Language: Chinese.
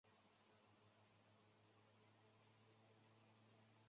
花纹爱洁蟹为扇蟹科熟若蟹亚科爱洁蟹属的动物。